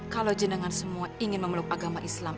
kalau jenengan semua ingin memeluk agama islam